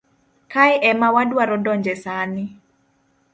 Kae ema wadwaro donje sani.